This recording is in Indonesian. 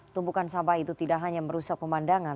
tumpukan sampah itu tidak hanya merusak pemandangan